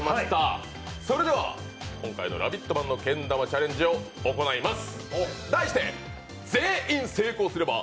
それでは今回の「ラヴィット！」版のけん玉チャレンジを行います。